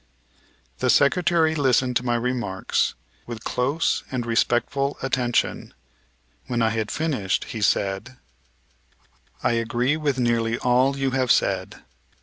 The Secretary listened to my remarks with close and respectful attention. When I had finished he said: "I agree with nearly all you have said.